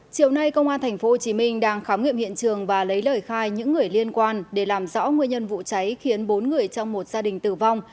chiều nay công an tp hcm đang khám nghiệm hiện trường và lấy lời khai những người liên quan để làm rõ nguyên nhân vụ cháy khiến bốn người trong một gia đình tử vong